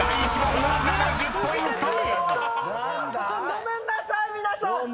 ごめんなさい皆さん！